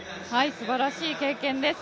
すばらしい経験です。